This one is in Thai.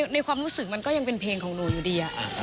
ในความรู้สึกมันก็ยังเป็นเพลงของหนูอยู่ดี